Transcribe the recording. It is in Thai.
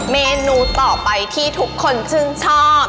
เมนูต่อไปที่ทุกคนชื่นชอบ